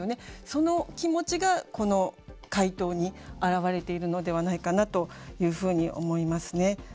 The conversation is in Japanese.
その気持ちがこの回答に表れているのではないかなというふうに思いますね。